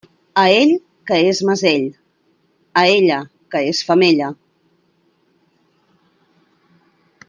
A ell, que és mesell; a ella, que és femella.